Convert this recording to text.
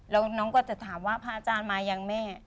แล้วน้องก็จะถามว่าพระอาจารย์มายังแม่